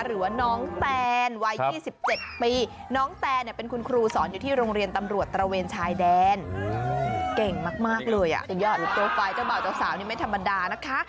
หรือว่าน้องแตนวัย๒๗ปีน้องแตนเนี่ยเป็นคุณครูสอนอยู่ที่โรงเรียนตำรวจตระเวนชายแดนเก่งมากเลยอ่ะตัวยอดโปรไฟล์เจ้าบ่าวเจ้าสาวนี่ไม่ธรรมดานะคะ